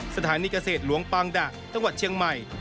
สถานีเกษตรหลวงปางดะจังหวัดเชียงใหม่